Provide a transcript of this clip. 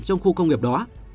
trong khu công nghiệp đó